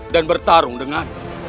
dan bertarung dengan